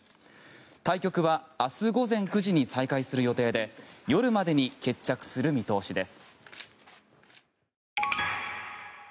対局は明日午前９時に再開する予定で夜までに決着する見通しです。